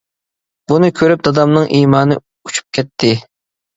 بۇنى كۆرۈپ دادامنىڭ ئىمانى ئۇچۇپ كەتتى.